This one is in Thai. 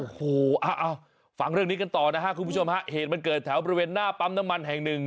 โอ้โหเอาฟังเรื่องนี้กันต่อนะฮะคุณผู้ชมฮะเหตุมันเกิดแถวบริเวณหน้าปั๊มน้ำมันแห่งหนึ่ง